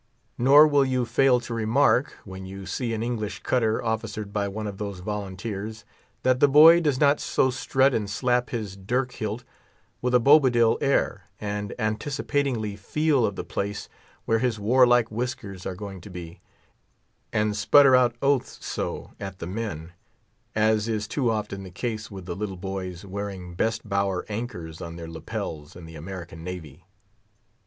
Nor will you fail to remark, when you see an English cutter officered by one of those volunteers, that the boy does not so strut and slap his dirk hilt with a Bobadil air, and anticipatingly feel of the place where his warlike whiskers are going to be, and sputter out oaths so at the men, as is too often the case with the little boys wearing best bower anchors on their lapels in the American Navy.